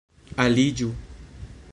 aliĝu